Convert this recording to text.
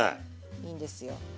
いいんですよ。